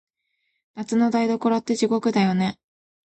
夏の台所って、地獄だよね。